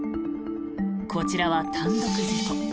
こちらは単独事故。